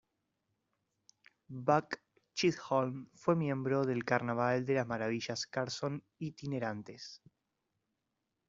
Buck Chisholm fue miembro del Carnaval de las Maravillas Carson itinerantes.